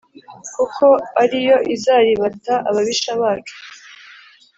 kuko ari yo izaribata ababisha bacu.